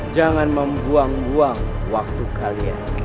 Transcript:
jangan membuang buang waktu kalian